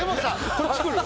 こっち来る？